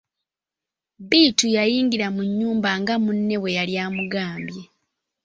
Bittu yayingira mu nnyumba nga munne bwe yali amugambye.